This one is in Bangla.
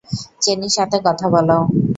চেনির সাথে কথা বলাও।